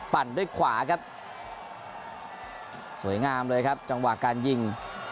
ปั่นด้วยขวาครับสวยงามเลยครับจังหวะการยิง